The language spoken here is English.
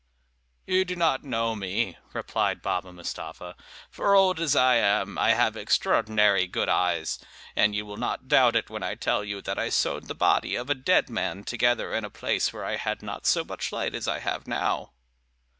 "You do not know me," replied Baba Mustapha; "for old as I am, I have extraordinary good eyes; and you will not doubt it when I tell you that I sewed the body of a dead man together in a place where I had not so much light as I have now."